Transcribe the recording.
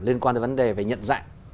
liên quan đến vấn đề về nhận dạng